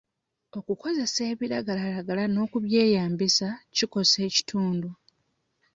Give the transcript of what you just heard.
Okukozesa ebiragalalagala n'okubyemanyiiza kikosa ekitundu.